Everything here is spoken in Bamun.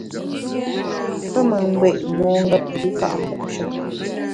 Pe me ngbé’ mongep i pi ka’ mbu’she.